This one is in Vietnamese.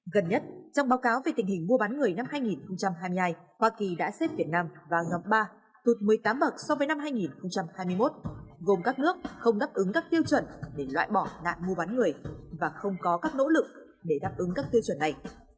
gần nhất trong báo cáo về tình hình mua bán người năm hai nghìn hai mươi hai hoa kỳ đã xếp việt nam vào nhóm ba tụt một mươi tám bậc so với năm hai nghìn hai mươi một gồm các nước không đáp ứng các tiêu chuẩn để loại bỏ nạn mua bán người và không có các nỗ lực để đáp ứng các tiêu chuẩn này